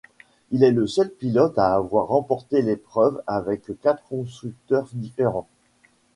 Il est le seul pilote à avoir remporté l'épreuve avec quatre constructeurs différents.